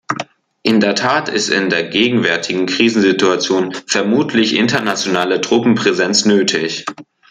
In der Tat ist in der gegenwärtigen Krisensituation vermutlich internationale Truppenpräsenz nötig.